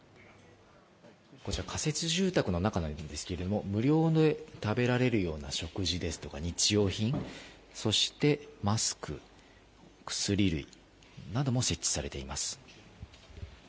こちら仮設住宅の中なんですけれども、無料で食べられるような食事とか日用品、そしてマスク、薬類なども設置されています。